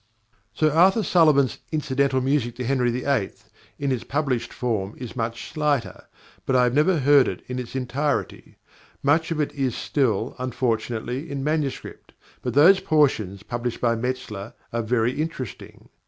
+Sir Arthur Sullivan's+ "Incidental Music to Henry VIII." in its published form is much slighter, but I have never heard it in its entirety. Much of it is still, unfortunately, in manuscript, but those portions published by Metzler are very interesting.